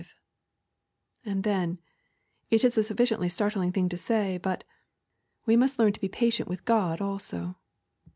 And, then, it is a sufficiently startling thing to say, but we must learn to be patient with God also.